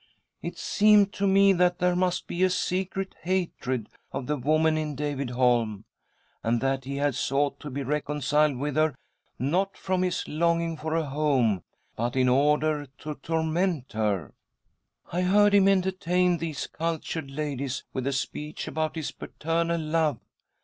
It seemed to me that there mus£ be a secret hatred . of the woman in David Holm, and that he had sought to be reconciled with her, not from his longing for a home, but in order to torment her. " I heard him entertain these cultured ladies with a speech about his paternal love.